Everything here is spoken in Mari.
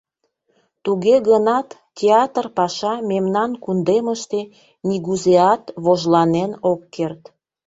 Туге гынат театр паша мемнан кундемыште нигузеат вожланен ок керт.